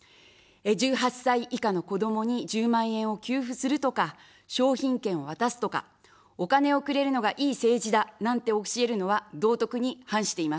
１８歳以下の子どもに１０万円を給付するとか、商品券を渡すとか、お金をくれるのがいい政治だなんて教えるのは道徳に反しています。